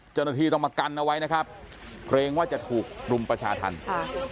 จนณีต้องมีกันเอาไว้นะครับเพรงว่าจะถูกรุมประชาธรรม